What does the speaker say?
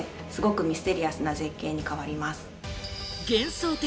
幻想的！